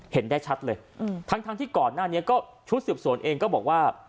เห็นได้ชัดเลยทั้งที่ก่อนหน้านี้ก็ชุดสืบสวนเองก็บอกว่า